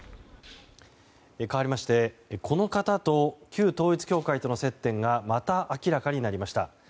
かわりましてこの方と旧統一教会との接点がまた明らかになりました。